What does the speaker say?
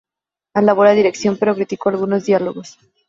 Alabó la dirección, pero criticó algunos diálogos.